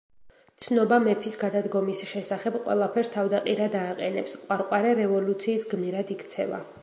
ცნობა მეფის გადადგომის შესახებ ყველაფერს თავდაყირა დააყენებს, ყვარყვარე რევოლუციის გმირად იქცევა.